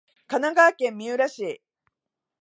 神奈川県三浦市